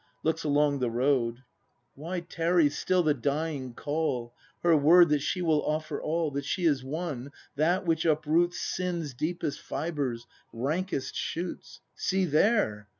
[Looks along the road.] Why tarries still the dying call, Her word, that she will offer all, That she has won that which uproots Sin's deepest fibres, rankest shoots! See there